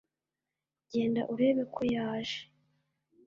genda urebeko yaje